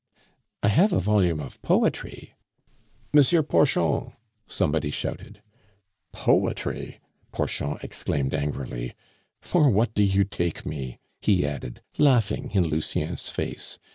"I have a volume of poetry " "M. Porchon!" somebody shouted. "Poetry!" Porchon exclaimed angrily. "For what do you take me?" he added, laughing in Lucien's face.